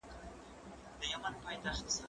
دا کتاب له هغه مفيد دی؟!